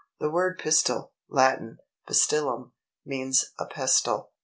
The word Pistil (Latin, Pistillum) means a pestle.